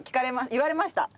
言われました。